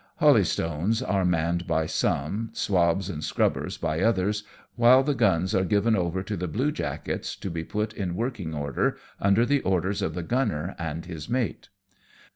Holystones are manned by some, swabbs and scrubbers by others, while the guns are given over to the bluejackets to be put in working order, under the orders of the gunner and his mate.